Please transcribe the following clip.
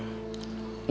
kalian berapa orang